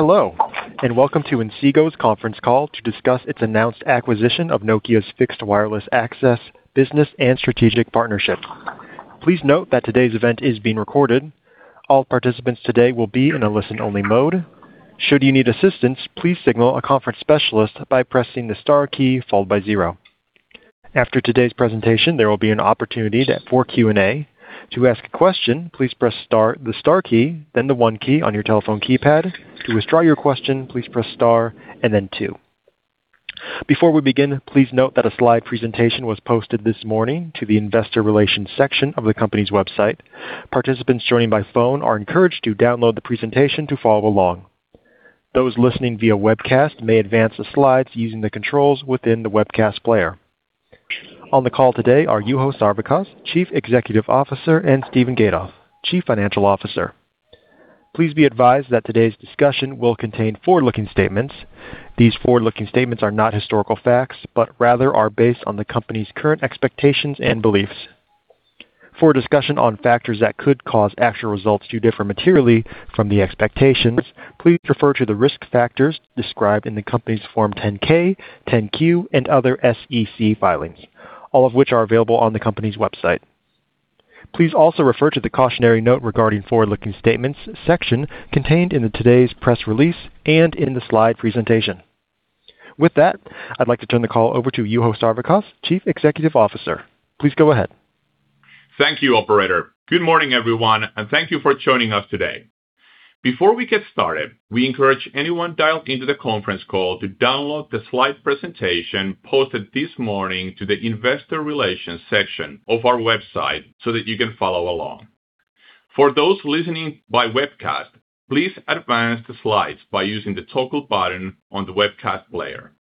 Hello, welcome to Inseego's conference call to discuss its announced acquisition of Nokia's Fixed Wireless Access business and strategic partnership. Please note that today's event is being recorded. All participants today will be in a listen-only mode. Should you need assistance, please signal a conference specialist by pressing the star key followed by zero. After today's presentation, there will be an opportunity for Q&A. To ask a question, please press the star key, then the one key on your telephone keypad. To withdraw your question, please press star and then two. Before we begin, please note that a slide presentation was posted this morning to the investor relations section of the company's website. Participants joining by phone are encouraged to download the presentation to follow along. Those listening via webcast may advance the slides using the controls within the webcast player. On the call today are Juho Sarvikas, Chief Executive Officer, and Steven Gatoff, Chief Financial Officer. Please be advised that today's discussion will contain forward-looking statements. These forward-looking statements are not historical facts, but rather are based on the company's current expectations and beliefs. For a discussion on factors that could cause actual results to differ materially from the expectations, please refer to the risk factors described in the company's Form 10-K, 10-Q, and other SEC filings, all of which are available on the company's website. Please also refer to the cautionary note regarding forward-looking statements section contained in today's press release and in the slide presentation. With that, I'd like to turn the call over to Juho Sarvikas, Chief Executive Officer. Please go ahead. Thank you, operator. Good morning, everyone, and thank you for joining us today. Before we get started, we encourage anyone dialed into the conference call to download the slide presentation posted this morning to the investor relations section of our website so that you can follow along. For those listening by webcast, please advance the slides by using the toggle button on the webcast player.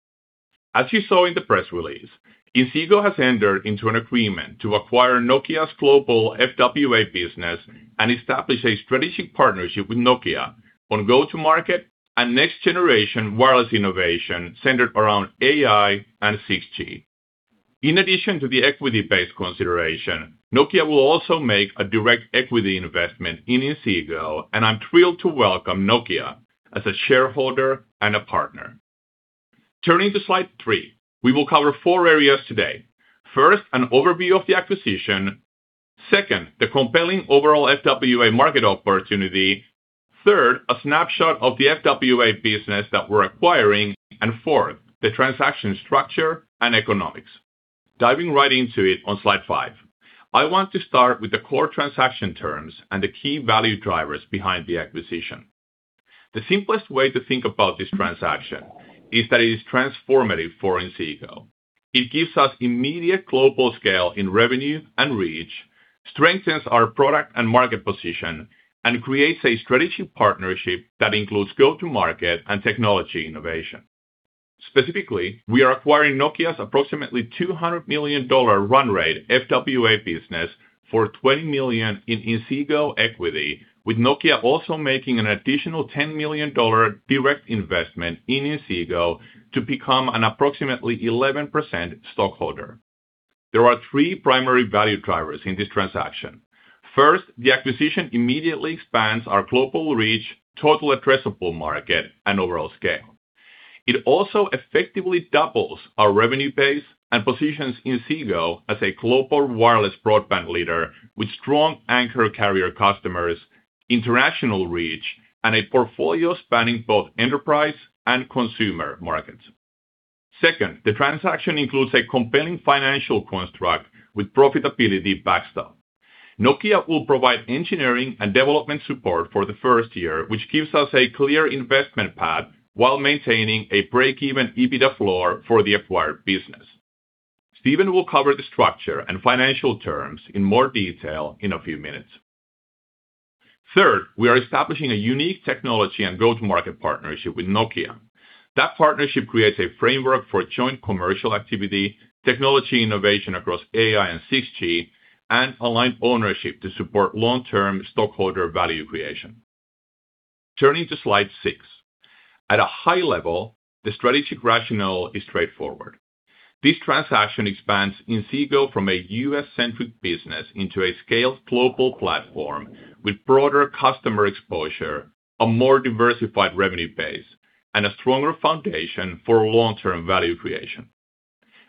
As you saw in the press release, Inseego has entered into an agreement to acquire Nokia's global FWA business and establish a strategic partnership with Nokia on go-to-market and next generation wireless innovation centered around AI and 6G. In addition to the equity-based consideration, Nokia will also make a direct equity investment in Inseego, I'm thrilled to welcome Nokia as a shareholder and a partner. Turning to slide three, we will cover four areas today. First, an overview of the acquisition. Second, the compelling overall FWA market opportunity. Third, a snapshot of the FWA business that we're acquiring. Fourth, the transaction structure and economics. Diving right into it on slide five. I want to start with the core transaction terms and the key value drivers behind the acquisition. The simplest way to think about this transaction is that it is transformative for Inseego. It gives us immediate global scale in revenue and reach, strengthens our product and market position, and creates a strategic partnership that includes go-to-market and technology innovation. Specifically, we are acquiring Nokia's approximately $200 million run rate FWA business for $20 million in Inseego equity, with Nokia also making an additional $10 million direct investment in Inseego to become an approximately 11% stockholder. There are three primary value drivers in this transaction. First, the acquisition immediately expands our global reach, total addressable market, and overall scale. It also effectively doubles our revenue base and positions Inseego as a global wireless broadband leader with strong anchor carrier customers, international reach, and a portfolio spanning both enterprise and consumer markets. Second, the transaction includes a compelling financial construct with profitability backstop. Nokia will provide engineering and development support for the first year, which gives us a clear investment path while maintaining a break-even EBITDA floor for the acquired business. Steven will cover the structure and financial terms in more detail in a few minutes. Third, we are establishing a unique technology and go-to-market partnership with Nokia. That partnership creates a framework for joint commercial activity, technology innovation across AI and 6G, and aligned ownership to support long-term stockholder value creation. Turning to slide six. At a high level, the strategic rationale is straightforward. This transaction expands Inseego from a U.S.-centric business into a scaled global platform with broader customer exposure, a more diversified revenue base, and a stronger foundation for long-term value creation.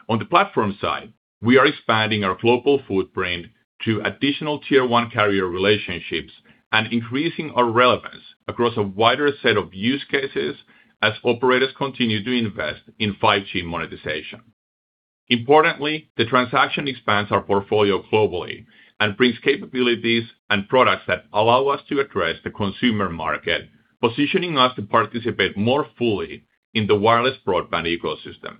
On the platform side, we are expanding our global footprint to additional tier one carrier relationships and increasing our relevance across a wider set of use cases as operators continue to invest in 5G monetization. Importantly, the transaction expands our portfolio globally and brings capabilities and products that allow us to address the consumer market, positioning us to participate more fully in the wireless broadband ecosystem.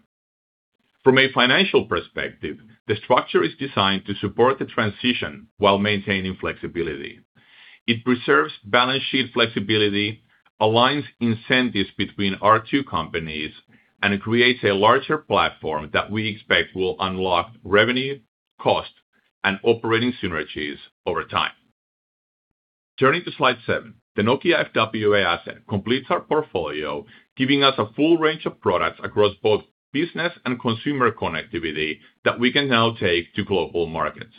From a financial perspective, the structure is designed to support the transition while maintaining flexibility. It preserves balance sheet flexibility, aligns incentives between our two companies, and creates a larger platform that we expect will unlock revenue, cost, and operating synergies over time. Turning to slide seven. The Nokia FWA asset completes our portfolio, giving us a full range of products across both business and consumer connectivity that we can now take to global markets.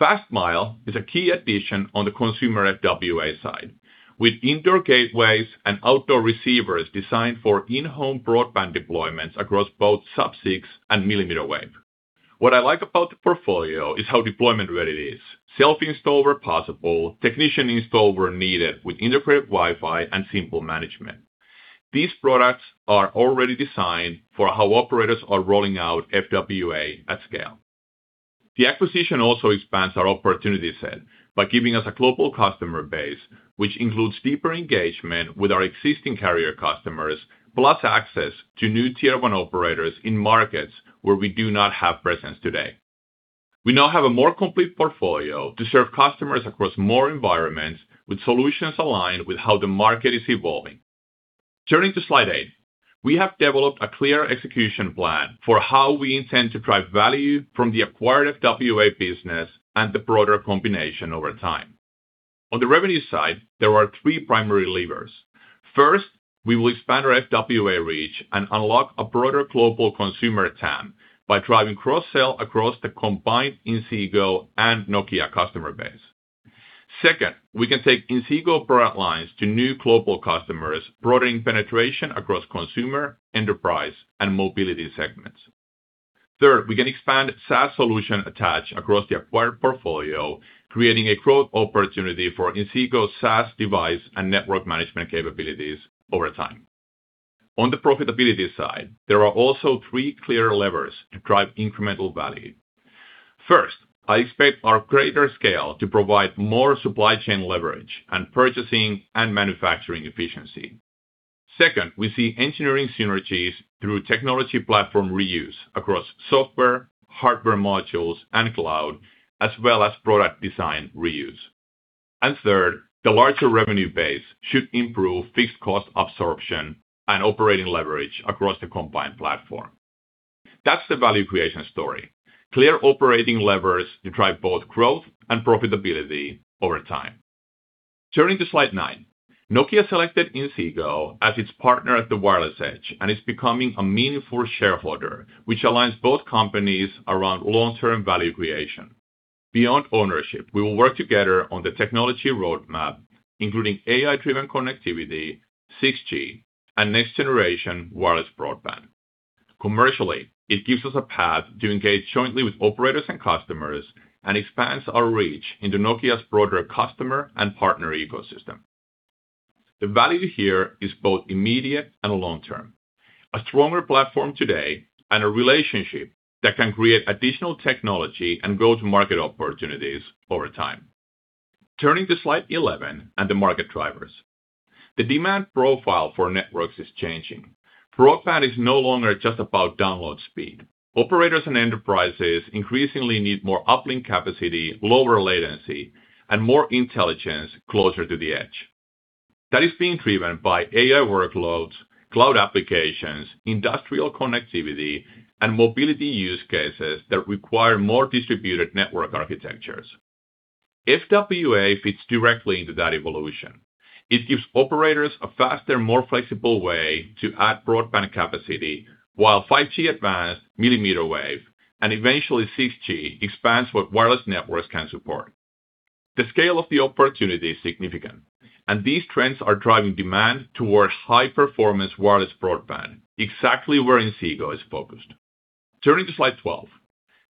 FastMile is a key addition on the consumer FWA side. With indoor gateways and outdoor receivers designed for in-home broadband deployments across both Sub-6 and millimeter wave. What I like about the portfolio is how deployment-ready it is. Self-install where possible, technician install where needed with integrated Wi-Fi and simple management. These products are already designed for how operators are rolling out FWA at scale. The acquisition also expands our opportunity set by giving us a global customer base, which includes deeper engagement with our existing carrier customers, plus access to new tier one operators in markets where we do not have presence today. We now have a more complete portfolio to serve customers across more environments with solutions aligned with how the market is evolving. Turning to slide eight. We have developed a clear execution plan for how we intend to drive value from the acquired FWA business and the broader combination over time. On the revenue side, there are three primary levers. First, we will expand our FWA reach and unlock a broader global consumer TAM by driving cross-sell across the combined Inseego and Nokia customer base. Second, we can take Inseego product lines to new global customers, broadening penetration across consumer, enterprise, and mobility segments. Third, we can expand SaaS solution attach across the acquired portfolio, creating a growth opportunity for Inseego's SaaS device and network management capabilities over time. On the profitability side, there are also three clear levers to drive incremental value. First, I expect our greater scale to provide more supply chain leverage and purchasing and manufacturing efficiency. Second, we see engineering synergies through technology platform reuse across software, hardware modules, and cloud, as well as product design reuse. Third, the larger revenue base should improve fixed cost absorption and operating leverage across the combined platform. That's the value creation story. Clear operating levers to drive both growth and profitability over time. Turning to slide nine. Nokia selected Inseego as its partner at the wireless edge and is becoming a meaningful shareholder, which aligns both companies around long-term value creation. Beyond ownership, we will work together on the technology roadmap, including AI-driven connectivity, 6G, and next generation wireless broadband. Commercially, it gives us a path to engage jointly with operators and customers and expands our reach into Nokia's broader customer and partner ecosystem. The value here is both immediate and long-term. A stronger platform today and a relationship that can create additional technology and go-to-market opportunities over time. Turning to slide 11 and the market drivers. The demand profile for networks is changing. Broadband is no longer just about download speed. Operators and enterprises increasingly need more uplink capacity, lower latency, and more intelligence closer to the edge. That is being driven by AI workloads, cloud applications, industrial connectivity, and mobility use cases that require more distributed network architectures. FWA fits directly into that evolution. It gives operators a faster, more flexible way to add broadband capacity, while 5G-Advanced, millimeter wave, and eventually 6G expands what wireless networks can support. The scale of the opportunity is significant. These trends are driving demand towards high-performance wireless broadband, exactly where Inseego is focused. Turning to slide 12.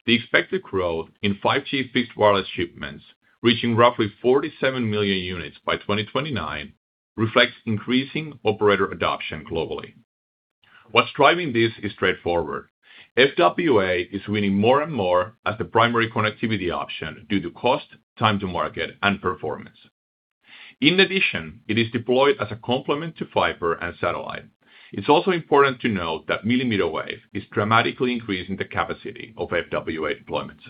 The expected growth in 5G fixed wireless shipments, reaching roughly 47 million units by 2029, reflects increasing operator adoption globally. What's driving this is straightforward. FWA is winning more and more as the primary connectivity option due to cost, time to market, and performance. In addition, it is deployed as a complement to fiber and satellite. It's also important to note that millimeter wave is dramatically increasing the capacity of FWA deployments.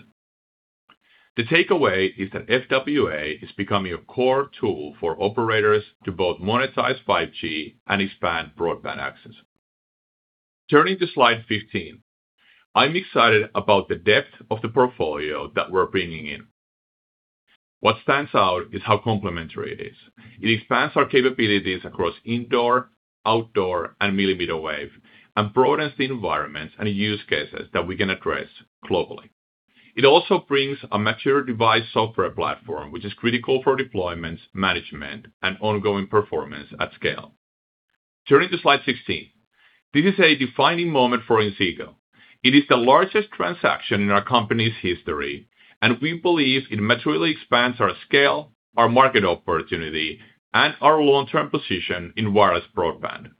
The takeaway is that FWA is becoming a core tool for operators to both monetize 5G and expand broadband access. Turning to slide 15. I'm excited about the depth of the portfolio that we're bringing in. What stands out is how complementary it is. It expands our capabilities across indoor, outdoor, and millimeter wave and broadens the environments and use cases that we can address globally. It also brings a mature device software platform, which is critical for deployments, management, and ongoing performance at scale. Turning to slide 16. This is a defining moment for Inseego. It is the largest transaction in our company's history, and we believe it materially expands our scale, our market opportunity, and our long-term position in wireless broadband.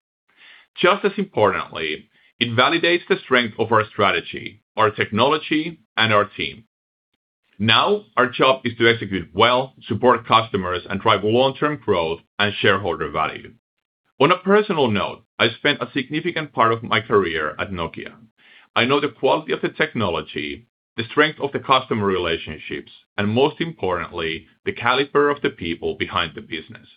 Just as importantly, it validates the strength of our strategy, our technology, and our team. Our job is to execute well, support customers, and drive long-term growth and shareholder value. On a personal note, I spent a significant part of my career at Nokia. I know the quality of the technology, the strength of the customer relationships, and most importantly, the caliber of the people behind the business.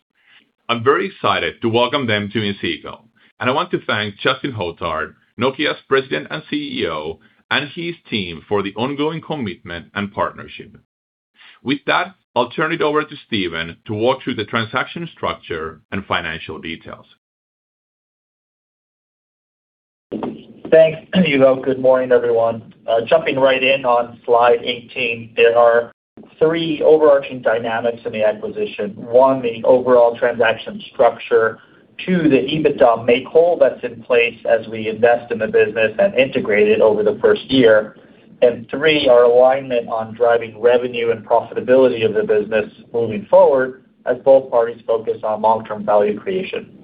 I'm very excited to welcome them to Inseego, and I want to thank Justin Hotard, Nokia's President and CEO, and his team for the ongoing commitment and partnership. With that, I'll turn it over to Steven to walk through the transaction structure and financial details. Thanks, Juho. Good morning, everyone. Jumping right in on slide 18, there are three overarching dynamics in the acquisition. One, the overall transaction structure. Two, the EBITDA make whole that's in place as we invest in the business and integrate it over the first year. And three, our alignment on driving revenue and profitability of the business moving forward as both parties focus on long-term value creation.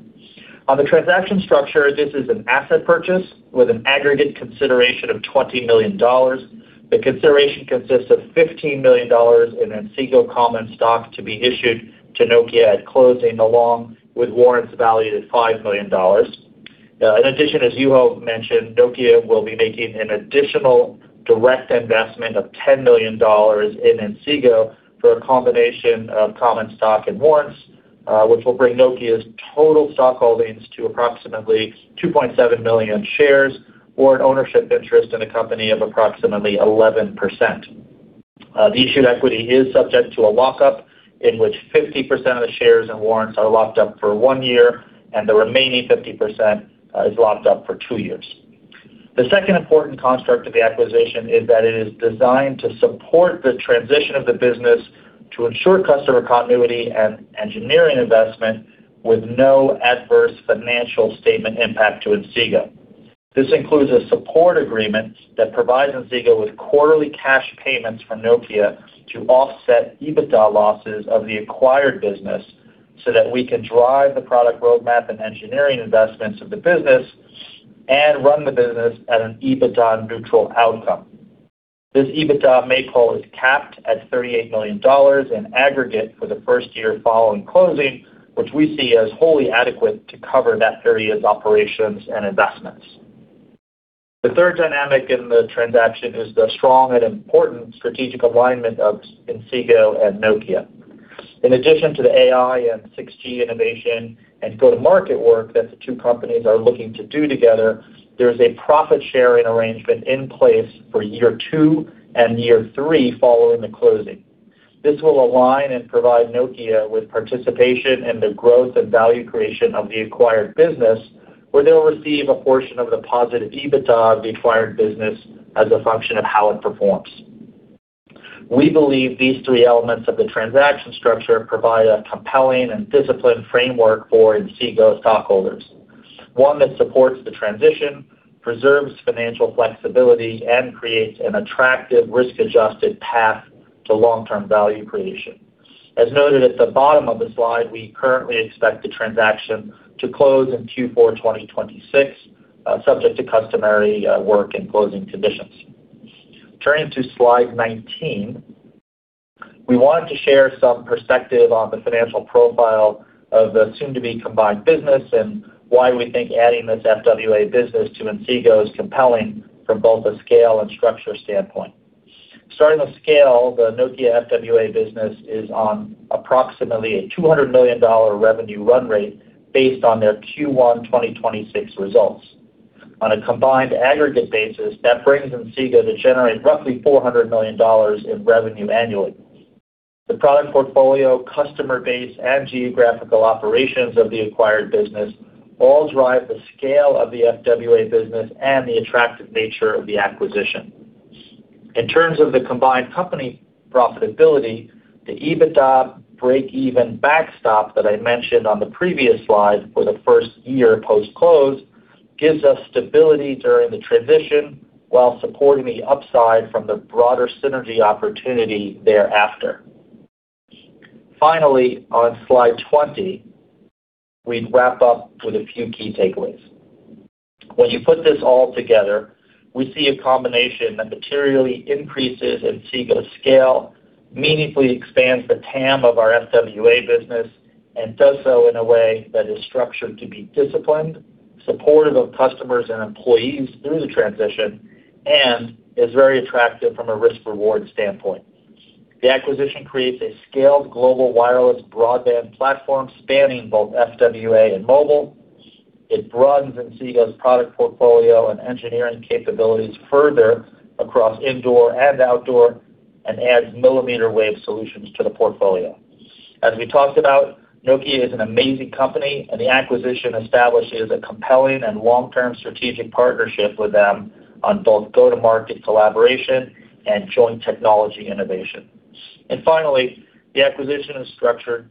On the transaction structure, this is an asset purchase with an aggregate consideration of $20 million. The consideration consists of $15 million in Inseego common stock to be issued to Nokia at closing, along with warrants valued at $5 million. In addition, as Juho mentioned, Nokia will be making an additional direct investment of $10 million in Inseego for a combination of common stock and warrants, which will bring Nokia's total stock holdings to approximately 2.7 million shares or an ownership interest in the company of approximately 11%. The issued equity is subject to a lockup in which 50% of the shares and warrants are locked up for one year and the remaining 50% is locked up for two years. The second important construct of the acquisition is that it is designed to support the transition of the business to ensure customer continuity and engineering investment with no adverse financial statement impact to Inseego. This includes a support agreement that provides Inseego with quarterly cash payments from Nokia to offset EBITDA losses of the acquired business so that we can drive the product roadmap and engineering investments of the business and run the business at an EBITDA neutral outcome. This EBITDA is capped at $38 million in aggregate for the first year following closing, which we see as wholly adequate to cover that period's operations and investments. The third dynamic in the transaction is the strong and important strategic alignment of Inseego and Nokia. In addition to the AI and 6G innovation and go-to-market work that the two companies are looking to do together, there's a profit-sharing arrangement in place for year two and year three following the closing. This will align and provide Nokia with participation in the growth and value creation of the acquired business, where they'll receive a portion of the positive EBITDA of the acquired business as a function of how it performs. We believe these three elements of the transaction structure provide a compelling and disciplined framework for Inseego stockholders, one that supports the transition, preserves financial flexibility, and creates an attractive risk-adjusted path to long-term value creation. As noted at the bottom of the slide, we currently expect the transaction to close in Q4 2026, subject to customary work and closing conditions. Turning to slide 19, we wanted to share some perspective on the financial profile of the soon-to-be combined business and why we think adding this FWA business to Inseego is compelling from both a scale and structure standpoint. Starting with scale, the Nokia FWA business is on approximately a $200 million revenue run rate based on their Q1 2026 results. On a combined aggregate basis, that brings Inseego to generate roughly $400 million in revenue annually. The product portfolio, customer base, and geographical operations of the acquired business all drive the scale of the FWA business and the attractive nature of the acquisition. In terms of the combined company profitability, the EBITDA break-even backstop that I mentioned on the previous slide for the first year post-close gives us stability during the transition while supporting the upside from the broader synergy opportunity thereafter. Finally, on slide 20, we wrap up with a few key takeaways. You put this all together, we see a combination that materially increases Inseego's scale, meaningfully expands the TAM of our FWA business, and does so in a way that is structured to be disciplined, supportive of customers and employees through the transition, and is very attractive from a risk-reward standpoint. The acquisition creates a scaled global wireless broadband platform spanning both FWA and mobile. It broadens Inseego's product portfolio and engineering capabilities further across indoor and outdoor and adds millimeter wave solutions to the portfolio. As we talked about, Nokia is an amazing company, the acquisition establishes a compelling and long-term strategic partnership with them on both go-to-market collaboration and joint technology innovation. Finally, the acquisition is structured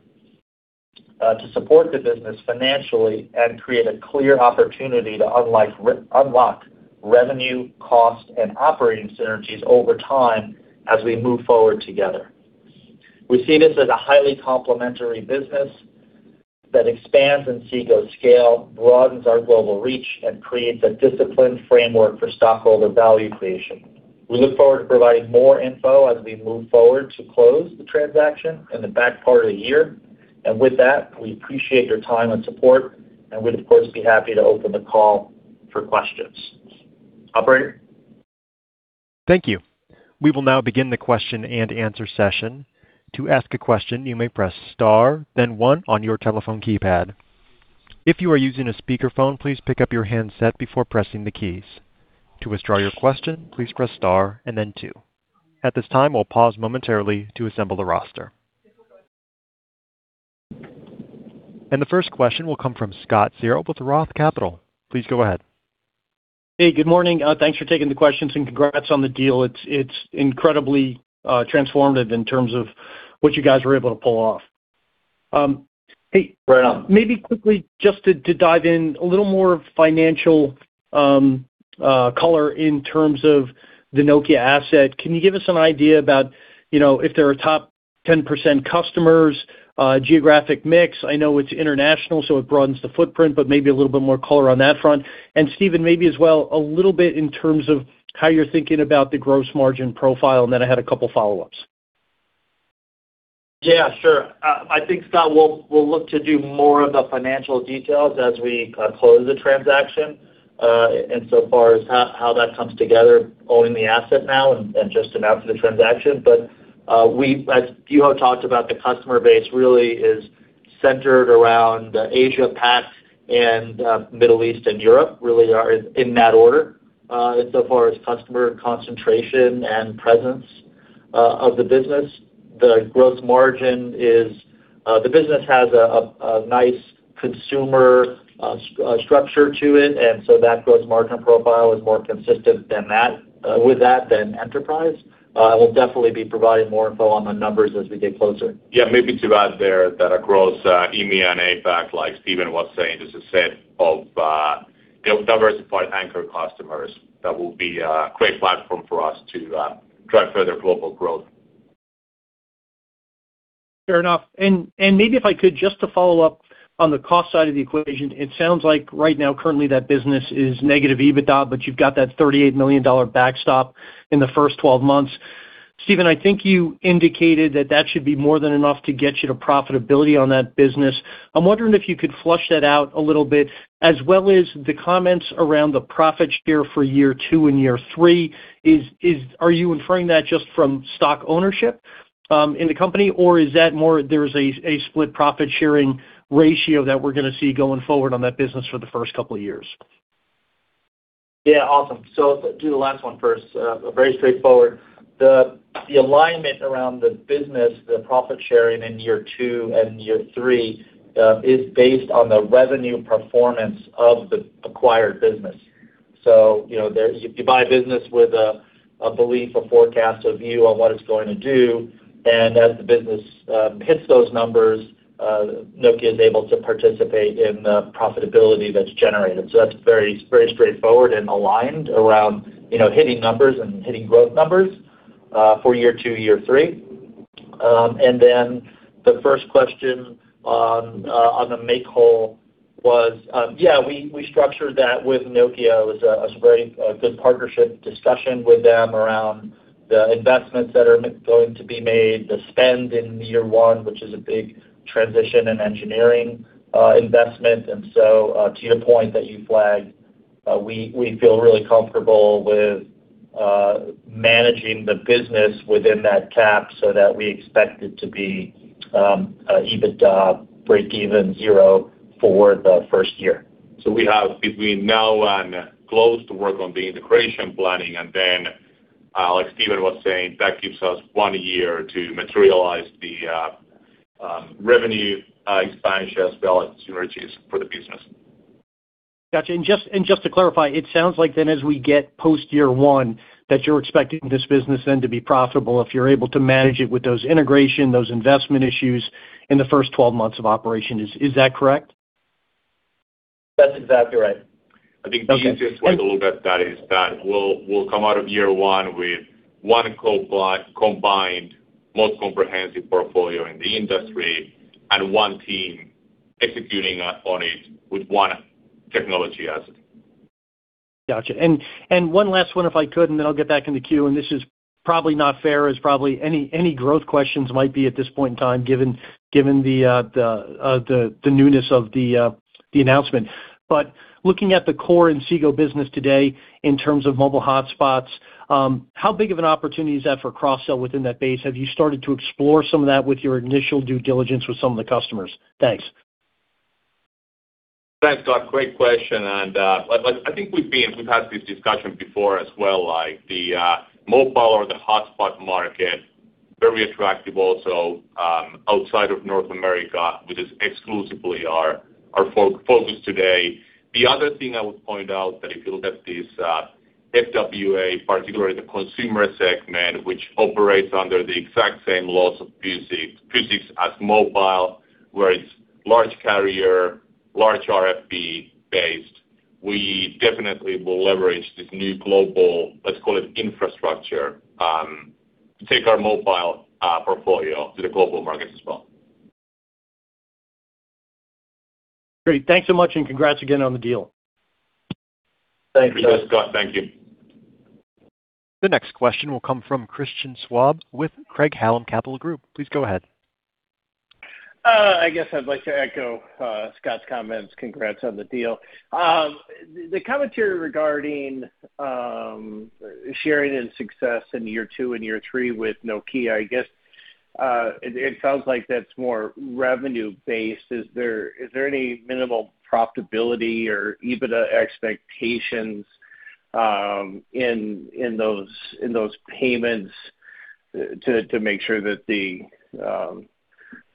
to support the business financially and create a clear opportunity to unlock revenue, cost, and operating synergies over time as we move forward together. We see this as a highly complementary business that expands Inseego's scale, broadens our global reach, and creates a disciplined framework for stockholder value creation. We look forward to providing more info as we move forward to close the transaction in the back part of the year. With that, we appreciate your time and support, and we'd of course be happy to open the call for questions. Operator? Thank you. We will now begin the question-and-answer session. The first question will come from Scott Searle with Roth Capital. Please go ahead. Hey, good morning. Thanks for taking the questions, and congrats on the deal. It's incredibly transformative in terms of what you guys were able to pull off. Right on. Maybe quickly, just to dive in a little more financial color in terms of the Nokia asset, can you give us an idea about, you know, if there are top 10% customers, geographic mix? I know it's international, so it broadens the footprint, but maybe a little bit more color on that front. Steven, maybe as well, a little bit in terms of how you're thinking about the gross margin profile, and then I had a couple follow-ups. Yeah, sure. I think, Scott, we'll look to do more of the financial details as we close the transaction, insofar as how that comes together owning the asset now and just announced the transaction. As Juho talked about, the customer base really is centered around Asia, APAC, and Middle East, and Europe really are in that order, insofar as customer concentration and presence of the business. The business has a nice consumer structure to it, so that growth margin profile is more consistent with that than enterprise. We'll definitely be providing more info on the numbers as we get closer. Yeah, maybe to add there that across EMEA and APAC, like Steven was saying, there's a set of diversified anchor customers that will be a great platform for us to drive further global growth. Fair enough. Maybe if I could just to follow up on the cost side of the equation, it sounds like right now currently that business is negative EBITDA, but you've got that $38 million backstop in the first 12 months. Steven, I think you indicated that that should be more than enough to get you to profitability on that business. I'm wondering if you could flush that out a little bit, as well as the comments around the profit share for year two and year three. Are you inferring that just from stock ownership in the company, or is that more there's a split profit-sharing ratio that we're going to see going forward on that business for the first couple of years? To the last one first, very straightforward. The alignment around the business, the profit-sharing in year two and year three, is based on the revenue performance of the acquired business. You know, you buy a business with a belief, a forecast, a view on what it's going to do, and as the business hits those numbers, Nokia is able to participate in the profitability that's generated. That's very straightforward and aligned around, you know, hitting numbers and hitting growth numbers for year two, year three. The first question on the make whole was, we structured that with Nokia. It was a very good partnership discussion with them around the investments that are going to be made, the spend in year one, which is a big transition and engineering investment. To your point that you flagged, we feel really comfortable with managing the business within that cap so that we expect it to be EBITDA break even zero for the first year. We have between now and close to work on the integration planning. Like Steven was saying, that gives us one year to materialize the revenue expansion as well as synergies for the business. Gotcha. Just to clarify, it sounds like then as we get post year one, that you're expecting this business then to be profitable if you're able to manage it with those integration, those investment issues in the first 12 months of operation. Is that correct? That's exactly right. I think the easiest way to look at that is that we'll come out of year one with one combined most comprehensive portfolio in the industry and one team executing on it with one technology asset. Gotcha. One last one, if I could, and then I'll get back in the queue, and this is probably not fair as probably any growth questions might be at this point in time, given the newness of the announcement. Looking at the core Inseego business today in terms of mobile hotspots, how big of an opportunity is that for cross-sell within that base? Have you started to explore some of that with your initial due diligence with some of the customers? Thanks. Thanks, Scott. Great question. Like, like I think we've had this discussion before as well, like the mobile or the hotspot market, very attractive also outside of North America, which is exclusively our focus today. The other thing I would point out that if you look at this FWA, particularly the consumer segment, which operates under the exact same laws of physics as mobile, where it's large carrier, large RFP-based, we definitely will leverage this new global, let's call it infrastructure, to take our mobile portfolio to the global markets as well. Great. Thanks so much, and congrats again on the deal. Thanks, Scott. Thanks, Scott. Thank you. The next question will come from Christian Schwab with Craig-Hallum Capital Group. Please go ahead. I guess I'd like to echo Scott's comments. Congrats on the deal. The commentary regarding sharing and success in year two and year three with Nokia, I guess, it sounds like that's more revenue-based. Is there any minimal profitability or EBITDA expectations in those payments to make sure that the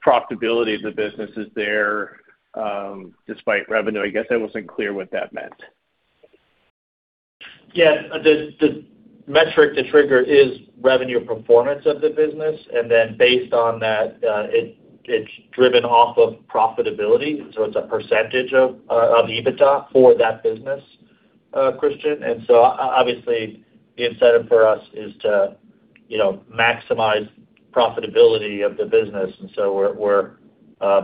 profitability of the business is there, despite revenue? I guess I wasn't clear what that meant. Yeah. The, the metric, the trigger is revenue performance of the business. Based on that, it's driven off of profitability. It's a percentage of EBITDA for that business, Christian. Obviously, the incentive for us is to, you know, maximize profitability of the business. We're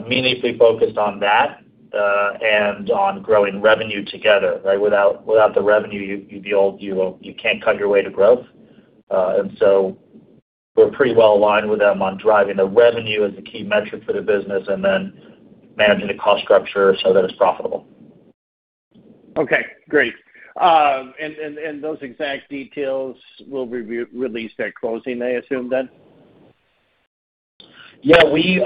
meaningfully focused on that and on growing revenue together, right? Without the revenue, you can't cut your way to growth. We're pretty well aligned with them on driving the revenue as the key metric for the business, managing the cost structure so that it's profitable. Okay, great. Those exact details will be released at closing, I assume then? Yeah. We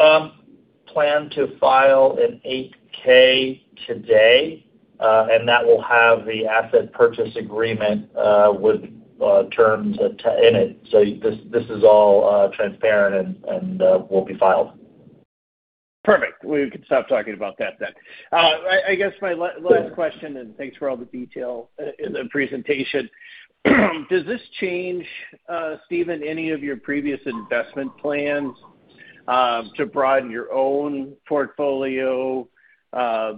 plan to file an 8-K today, and that will have the asset purchase agreement with terms in it. This is all transparent and will be filed. Perfect. We can stop talking about that then. I guess my last question, and thanks for all the detail in the presentation. Does this change, Steven, any of your previous investment plans to broaden your own portfolio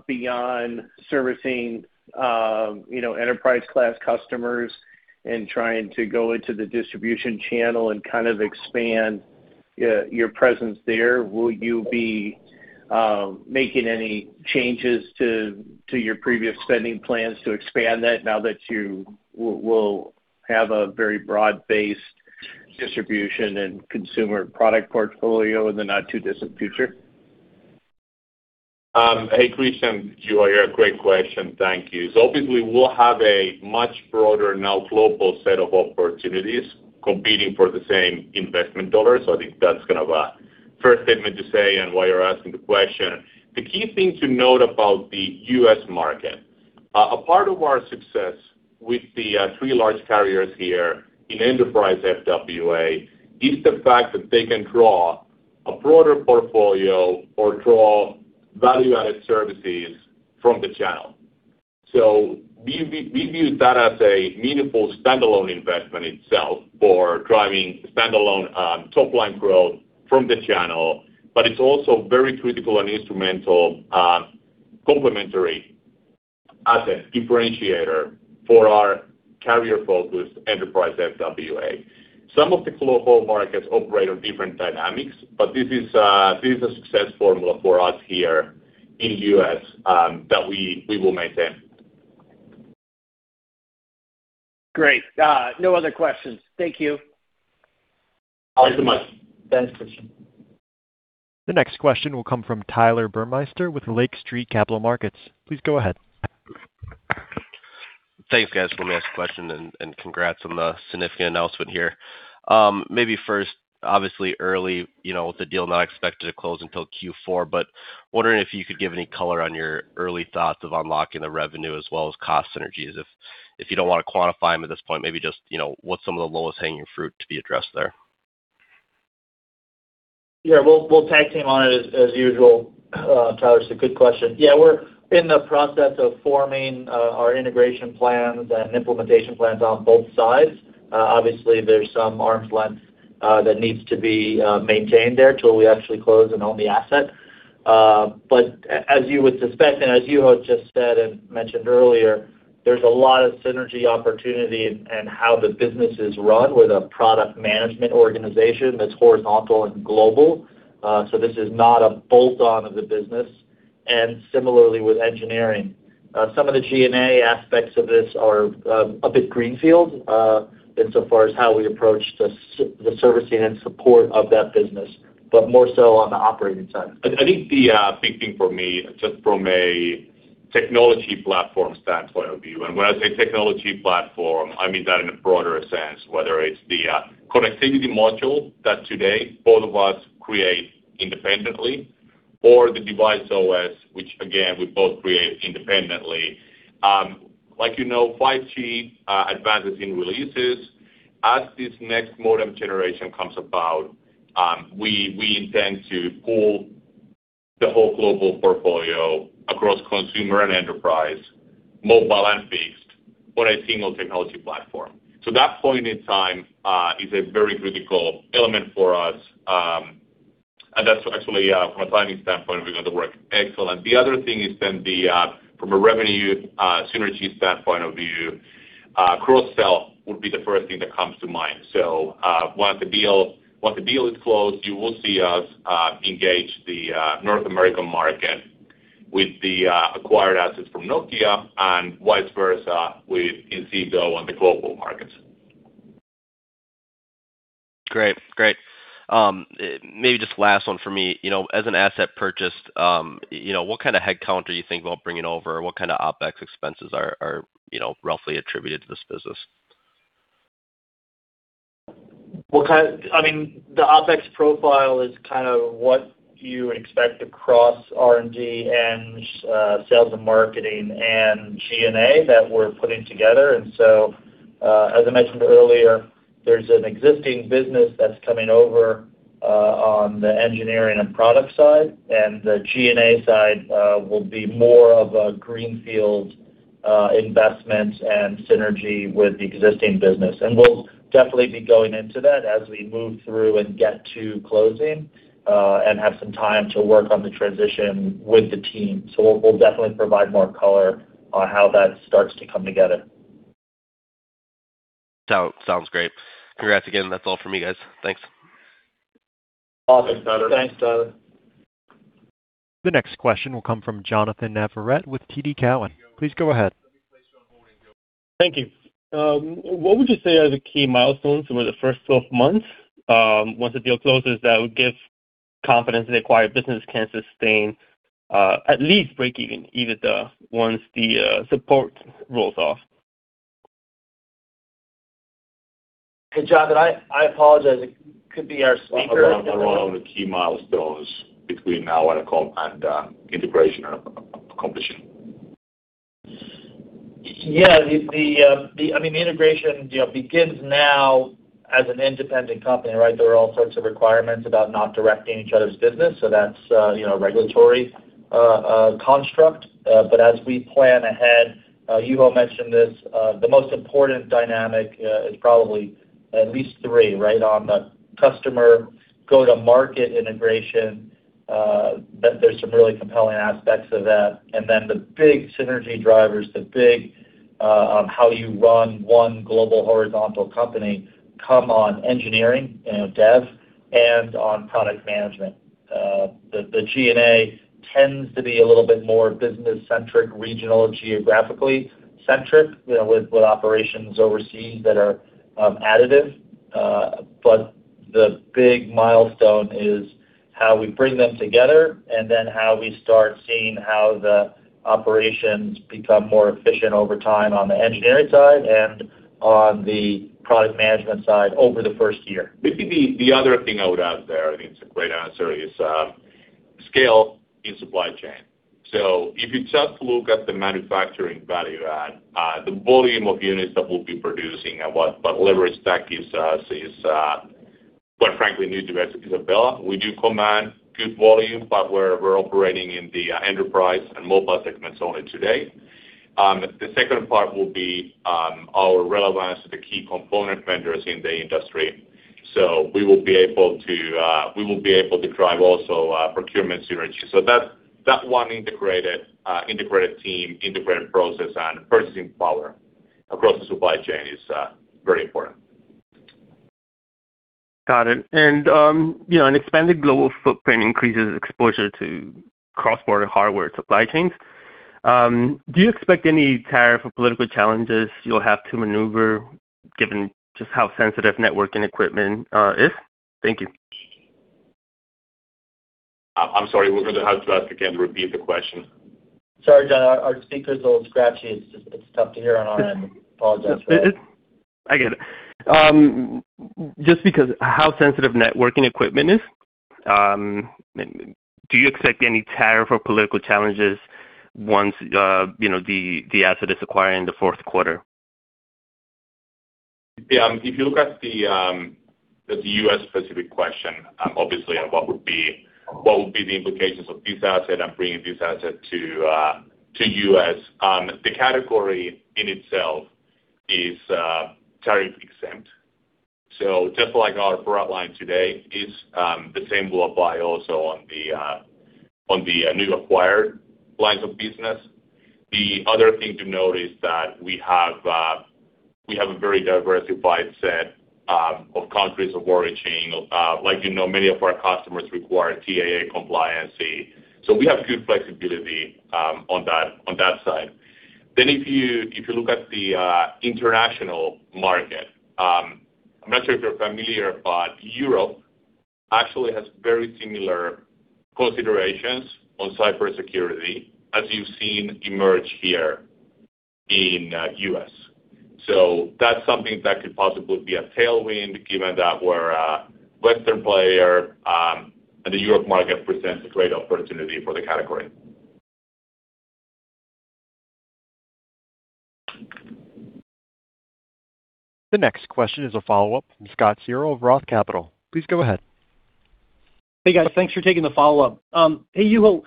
beyond servicing, you know, enterprise class customers and trying to go into the distribution channel and kind of expand your presence there? Will you be making any changes to your previous spending plans to expand that now that you will have a very broad-based distribution and consumer product portfolio in the not too distant future? Hey, Christian. Great question. Thank you. Obviously, we'll have a much broader now global set of opportunities competing for the same investment dollars. I think that's kind of a fair statement to say and why you're asking the question. The key thing to note about the U.S. market, a part of our success with the three large carriers here in enterprise FWA is the fact that they can draw a broader portfolio or draw value-added services from the channel. We view that as a meaningful standalone investment itself for driving standalone, top line growth from the channel, but it's also very critical and instrumental, complementary asset differentiator for our carrier-focused enterprise FWA. Some of the global markets operate on different dynamics, but this is a success formula for us here in U.S., that we will maintain. Great. No other questions. Thank you. Thanks so much. Thanks, Christian. The next question will come from Tyler Burmeister with Lake Street Capital Markets. Please go ahead. Thanks, guys, for letting me ask a question and congrats on the significant announcement here. Maybe first, obviously early, you know, with the deal not expected to close until Q4, wondering if you could give any color on your early thoughts of unlocking the revenue as well as cost synergies. If you don't wanna quantify them at this point, maybe just, you know, what's some of the lowest hanging fruit to be addressed there? We'll, we'll tag team on it as usual, Tyler. It's a good question. We're in the process of forming our integration plans and implementation plans on both sides. Obviously, there's some arm's length that needs to be maintained there till we actually close and own the asset. But as you would suspect and as Juho just said and mentioned earlier, there's a lot of synergy opportunity in how the business is run with a product management organization that's horizontal and global. This is not a bolt-on of the business and similarly with engineering. Some of the G&A aspects of this are a bit greenfield in so far as how we approach the servicing and support of that business, but more so on the operating side. I think the big thing for me, just from a technology platform standpoint of view, and when I say technology platform, I mean that in a broader sense, whether it's the connectivity module that today both of us create independently or the device OS, which again, we both create independently. Like, you know, 5G advances in releases. As this next modem generation comes about, we intend to pull the whole global portfolio across consumer and enterprise, mobile and fixed on a single technology platform. That point in time is a very critical element for us, and that's actually from a timing standpoint, we got the work excellent. The other thing is then the from a revenue synergy standpoint of view, cross-sell would be the first thing that comes to mind. Once the deal is closed, you will see us engage the North American market with the acquired assets from Nokia and vice versa with Inseego on the global markets. Great. Great. Maybe just last one for me. You know, as an asset purchased, you know, what kind of head count do you think about bringing over? What kind of OpEx expenses are, you know, roughly attributed to this business? I mean, the OpEx profile is kind of what you would expect across R&D and sales and marketing and G&A that we're putting together. As I mentioned earlier, there's an existing business that's coming over. On the engineering and product side, and the G&A side, will be more of a greenfield investment and synergy with the existing business. We'll definitely be going into that as we move through and get to closing and have some time to work on the transition with the team. We'll definitely provide more color on how that starts to come together. Sounds great. Congrats again. That's all from me, guys. Thanks. Awesome. Thanks, Tyler. Thanks, Tyler. The next question will come from Jonnathan Navarrete with TD Cowen. Please go ahead. Thank you. What would you say are the key milestones over the first 12 months, once the deal closes that would give confidence the acquired business can sustain at least break even once the support rolls off? Hey, Jonnathan, I apologize. It could be our speaker. Around the key milestones between now and a call and integration and accomplishing. Yeah. The, I mean, the integration, you know, begins now as an independent company, right? There are all sorts of requirements about not directing each other's business, so that's, you know, regulatory construct. As we plan ahead, Juho mentioned this, the most important dynamic is probably at least three, right? On the customer go-to-market integration, that there's some really compelling aspects of that. Then the big synergy drivers, the big, on how you run one global horizontal company come on engineering, you know, dev and on product management. The G&A tends to be a little bit more business-centric, regional, geographically centric, you know, with operations overseas that are additive. The big milestone is how we bring them together and then how we start seeing how the operations become more efficient over time on the engineering side and on the product management side over the first year. Maybe the other thing I would add there, I think it's a great answer, is scale in supply chain. If you just look at the manufacturing value add, the volume of units that we'll be producing and what leverage that gives us is quite frankly new to Inseego. We do command good volume, but we're operating in the enterprise and mobile segments only today. The second part will be our relevance to the key component vendors in the industry. We will be able to drive also procurement synergy. That one integrated team, integrated process and purchasing power across the supply chain is very important. Got it. You know, an expanded global footprint increases exposure to cross-border hardware supply chains. Do you expect any tariff or political challenges you'll have to maneuver given just how sensitive networking equipment is? Thank you. I'm sorry. We're gonna have to ask again. Repeat the question. Sorry, Jon, our speaker's a little scratchy. It's tough to hear on our end. Apologize for that. It's I get it. Just because how sensitive networking equipment is, do you expect any tariff or political challenges once, you know, the asset is acquired in the fourth quarter? If you look at the U.S.-specific question, obviously, what would be the implications of this asset and bringing this asset to U.S., the category in itself is tariff exempt. Just like our product line today is, the same will apply also on the new acquired lines of business. The other thing to note is that we have a very diversified set of countries of origin. Like, you know, many of our customers require TAA compliancy, we have good flexibility on that side. If you look at the international market, I'm not sure if you're familiar, Europe actually has very similar considerations on cybersecurity as you've seen emerge here in U.S. That's something that could possibly be a tailwind given that we're a Western player, and the Europe market presents a great opportunity for the category. The next question is a follow-up from Scott Searle of Roth Capital. Please go ahead. Hey, guys. Thanks for taking the follow-up. Hey, Juho,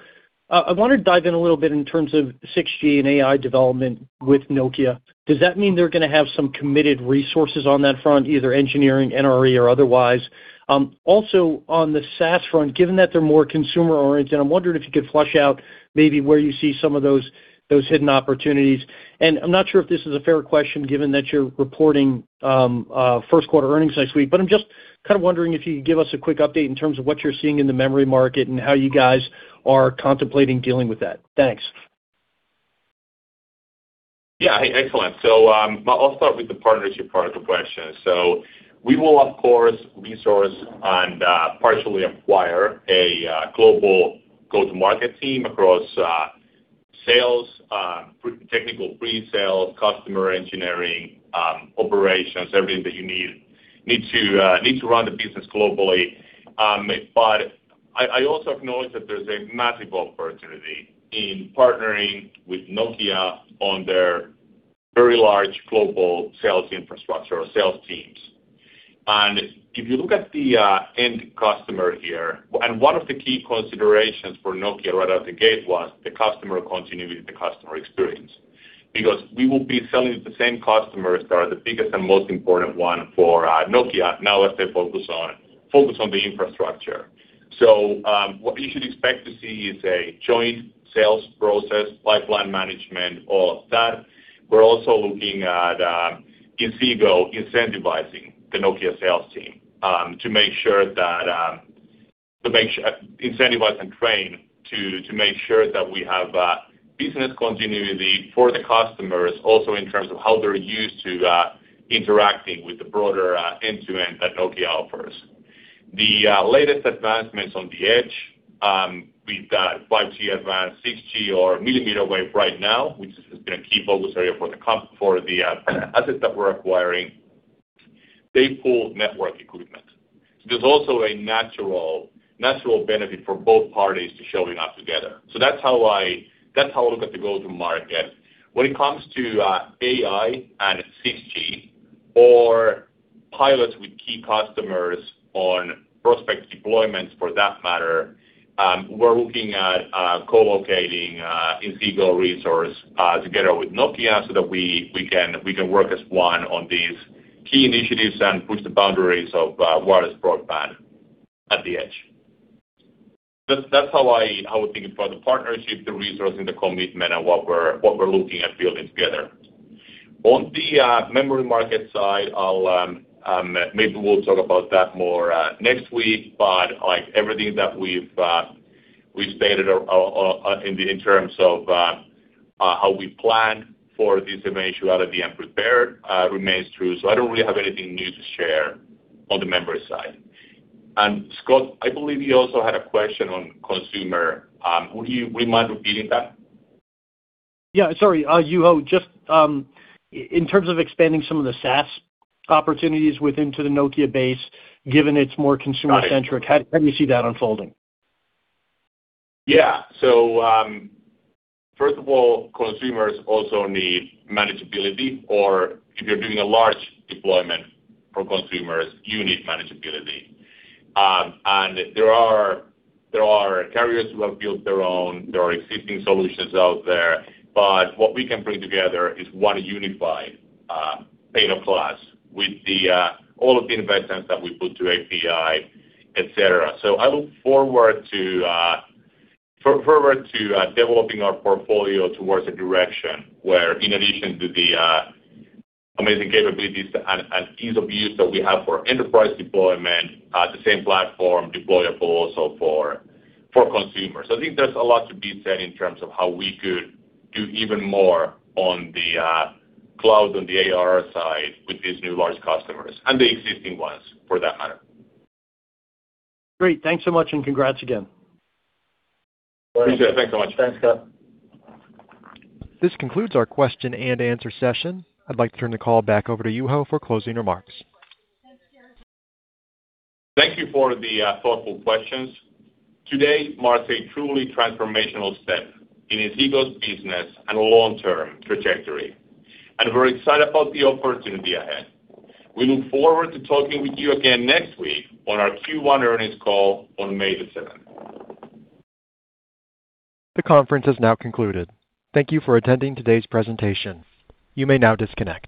I wanna dive in a little bit in terms of 6G and AI development with Nokia. Does that mean they're gonna have some committed resources on that front, either engineering, NRE or otherwise? Also on the SaaS front, given that they're more consumer-oriented, I'm wondering if you could flesh out maybe where you see some of those hidden opportunities. I'm not sure if this is a fair question given that you're reporting first quarter earnings next week, but I'm just kind of wondering if you could give us a quick update in terms of what you're seeing in the memory market and how you guys are contemplating dealing with that. Thanks. Yeah. Excellent. I'll start with the partnership part of the question. We will, of course, resource and partially acquire a global go-to-market team across sales, technical pre-sales, customer engineering, operations, everything that you need to run the business globally. But I also acknowledge that there's a massive opportunity in partnering with Nokia on their very large global sales infrastructure or sales teams. If you look at the end customer here, and one of the key considerations for Nokia right out the gate was the customer continuity, the customer experience. Because we will be selling to the same customers that are the biggest and most important one for Nokia now as they focus on the infrastructure. What you should expect to see is a joint sales process, pipeline management, all of that. We're also looking at Inseego incentivizing the Nokia sales team to incentivize and train to make sure that we have business continuity for the customers also in terms of how they're used to interacting with the broader end-to-end that Nokia offers. The latest advancements on the edge, be that 5G-Advanced, 6G or millimeter wave right now, which has been a key focus area for the assets that we're acquiring. They pull network equipment. There's also a natural benefit for both parties to showing up together. That's how I look at the go-to-market. When it comes to AI and 6G or pilots with key customers on prospect deployments for that matter, we're looking at co-locating Inseego resource together with Nokia so that we can work as one on these key initiatives and push the boundaries of wireless broadband at the edge. That's how I would think about the partnership, the resourcing, the commitment, and what we're looking at building together. On the memory market side, maybe we'll talk about that more next week. Like everything that we've stated in terms of how we plan for this eventuality and prepare, remains true. I don't really have anything new to share on the memory side. Scott, I believe you also had a question on consumer. Would you mind repeating that? Yeah. Sorry, Juho, just in terms of expanding some of the SaaS opportunities within to the Nokia base, given it's more consumer-centric? Got it. How do you see that unfolding? First of all, consumers also need manageability. Or if you're doing a large deployment for consumers, you need manageability. And there are carriers who have built their own, there are existing solutions out there, but what we can bring together is one unified payload with the all of the investments that we put to API, et cetera. I look forward to developing our portfolio towards a direction where in addition to the amazing capabilities and ease of use that we have for enterprise deployment, the same platform deployable also for consumers. I think there's a lot to be said in terms of how we could do even more on the cloud, on the AR side with these new large customers, and the existing ones for that matter. Great. Thanks so much and congrats again. Appreciate it. Thanks so much. Thanks, Scott. This concludes our question and answer session. I'd like to turn the call back over to Juho for closing remarks. Thank you for the thoughtful questions. Today marks a truly transformational step in Inseego's business and long-term trajectory, and we're excited about the opportunity ahead. We look forward to talking with you again next week on our Q1 earnings call on May 7th. The conference has now concluded. Thank you for attending today's presentation. You may now disconnect.